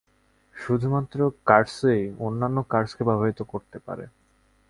শুধুমাত্র কার্সই অন্যান্য কার্সকে প্রভাবিত করতে পারে।